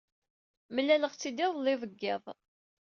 Mlaleɣ-tt-id idelli deg yiḍ.